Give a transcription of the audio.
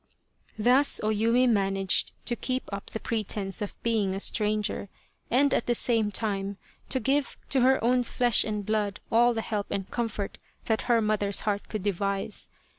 Thus O Yumi managed to keep up the pretence of being a stranger, and at the same time to give to her own flesh and blood all the help and comfort that her mother's heart could devise.